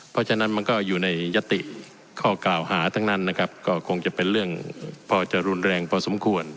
เพราะฉะนั้นมันก็อยู่ในยติข้อกล่าวหาทั้งนั้นนะครับก็คงจะเป็นเรื่องพอจะรุนแรงพอสมควร